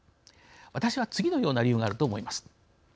私は次のような理由があると思います。